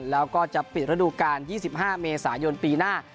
แล้วก็จะปิดระดูการ๒๕เมษายนปีหน้า